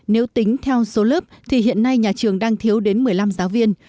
nếu tính theo số lớp thì hiện nay nhà trường đang thiếu đến một mươi năm giáo viên